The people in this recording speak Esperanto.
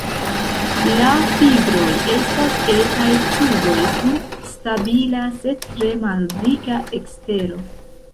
La fibroj estas etaj tuboj kun stabila, sed tre maldika ekstero.